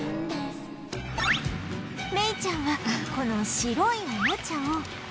メイちゃんはこの白いおもちゃを